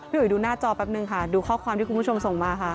อุ๋ยดูหน้าจอแป๊บนึงค่ะดูข้อความที่คุณผู้ชมส่งมาค่ะ